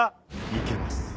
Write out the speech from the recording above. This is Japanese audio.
行けます。